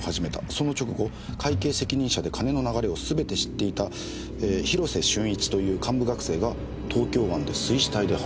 「その直後会計責任者で金の流れをすべて知っていた広瀬峻一という幹部学生が東京湾で水死体で発見された」